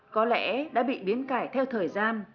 có lẽ đã bị biến cải theo thời gian